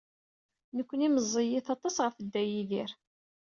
Nekkni meẓẓiyit aṭas ɣef Dda Yidir.